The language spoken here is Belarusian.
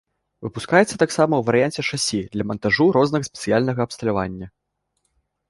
Выпускаецца таксама ў варыянце шасі для мантажу рознага спецыяльнага абсталявання.